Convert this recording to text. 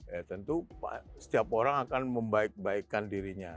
ya tentu setiap orang akan membaik baikkan dirinya